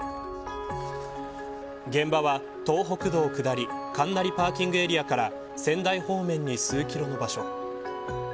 現場は、東北道下り金成パーキングエリアから仙台方面に数キロの場所。